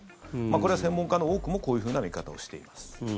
これは専門家の多くもこういうふうな見方をしています。